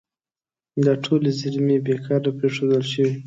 دا ټولې زیرمې بې کاره پرېښودل شوي.